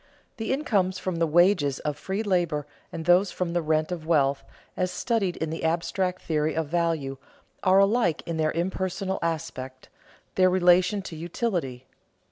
_ The incomes from the wages of free labor and those from the rent of wealth, as studied in the abstract theory of value, are alike in their impersonal aspect, their relation to utility.